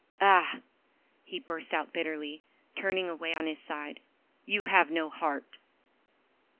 "Ah!" he burst out bitterly, turning away on his side, "you have no heart."